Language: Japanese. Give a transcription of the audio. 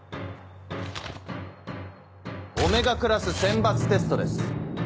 Ωクラス選抜テストです。